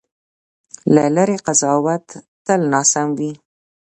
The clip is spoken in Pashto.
له لرې قضاوت تل ناسم وي.